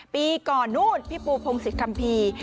ปีก่อนนู่นพี่ปูพงศิษยคัมภีร์